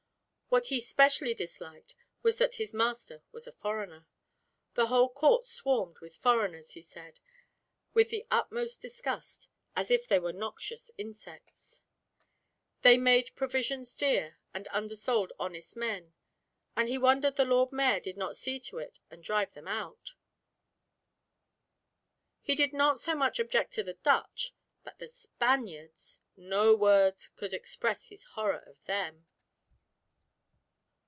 What he specially disliked was that his master was a foreigner. The whole court swarmed with foreigners, he said, with the utmost disgust, as if they were noxious insects. They made provisions dear, and undersold honest men, and he wondered the Lord Mayor did not see to it and drive them out. He did not so much object to the Dutch, but the Spaniards—no words could express his horror of them.